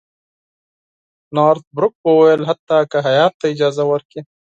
نارت بروک وویل حتی که هیات ته اجازه ورکړي.